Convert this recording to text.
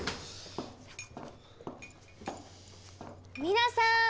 皆さん